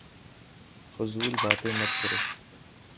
فضول باتیں مت کرو